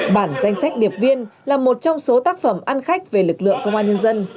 bản danh sách điệp viên là một trong số tác phẩm ăn khách về lực lượng công an nhân dân